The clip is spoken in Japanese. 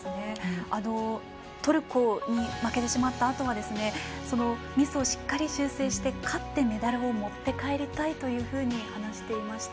トルコに負けてしまったあとはミスをしっかり修正して勝ってメダルを持って帰りたいというふうに話していました。